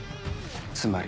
つまり。